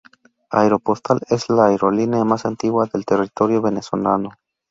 Aeropostal es la aerolínea más antigua del territorio venezolano.